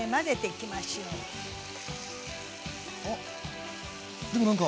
あっでも何か。